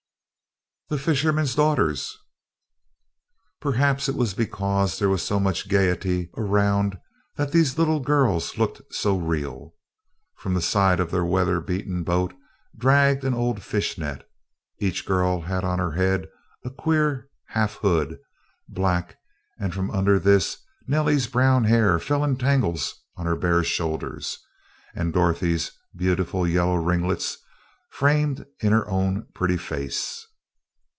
The Fisherman's Daughters! Perhaps it was because there was so much gayety around that these little girls looked so real. From the side of their weather beaten boat dragged an old fishnet. Each girl had on her head a queer half hood, black, and from under this Nellie's brown hair fell in tangles on her bare shoulders, and Dorothy's beautiful yellow ringlets framed in her own pretty face.